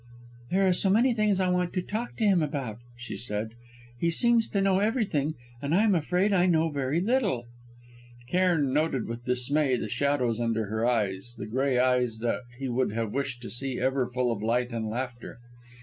"There are so many things I want to talk to him about," she said. "He seems to know everything, and I am afraid I know very little." Cairn noted with dismay the shadows under her eyes the grey eyes that he would have wished to see ever full of light and laughter.